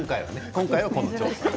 今回はこの調査で。